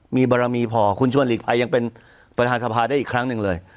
มีบารมีพอคุณชวนหลีกภัยยังเป็นประธานสภาได้อีกครั้งหนึ่งเลย